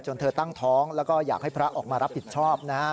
เธอตั้งท้องแล้วก็อยากให้พระออกมารับผิดชอบนะฮะ